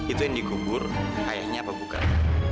itu yang dikubur ayahnya apa bukan